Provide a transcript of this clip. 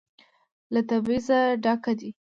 له تبعيضه ډک دى.